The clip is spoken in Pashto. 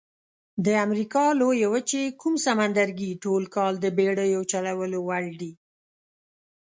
د امریکا لویې وچې کوم سمندرګي ټول کال د بېړیو چلولو وړ دي؟